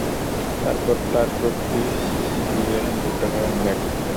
তারপর তার প্রতিটি গিয়ে মিলিত হয় অন্য এক হ্রদে।